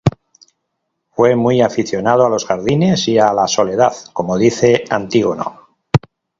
Fue muy aficionado a los jardines y a la soledad, como dice Antígono.